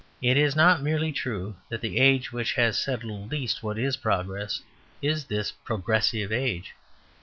It is not merely true that the age which has settled least what is progress is this "progressive" age.